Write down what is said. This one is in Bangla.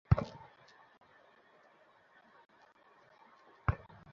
কেননা ভাতিজার বদলে আমরা তোমাকে নিজেদের সন্তান দিচ্ছি।